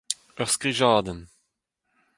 Ur skrijadenn !